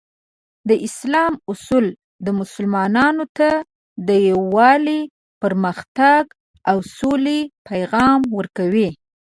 د اسلام اصول مسلمانانو ته د یووالي، پرمختګ، او سولې پیغام ورکوي.